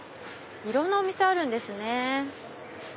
いろんなお店あるんですね。